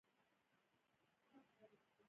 د اپوپټوسس پروګرام شوې مړینه ده.